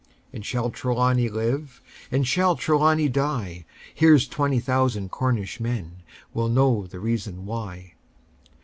And shall Trelawny live? Or shall Trelawny die? Here's twenty thousand Cornish men Will know the reason why!